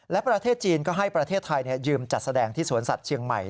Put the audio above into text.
และประเทศจีนก็ให้ประเทศไทยยืมจัดแสดงที่สวนสัตว์เชียงใหม่